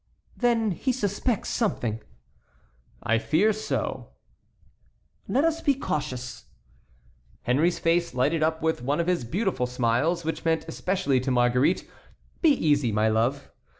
"Then he suspects something." "I fear so." "Let us be cautious." Henry's face lighted up with one of his beautiful smiles, which meant especially to Marguerite, "Be easy, my love."